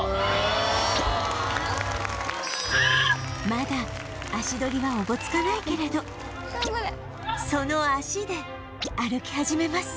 まだ足取りはおぼつかないけれどその足で歩き始めます